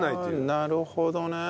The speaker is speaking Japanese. なるほどね。